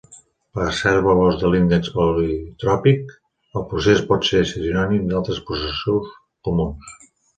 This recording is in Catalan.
Per certs valors de l'índex politròpic, el procés pot ser sinònim d'altres processos comuns.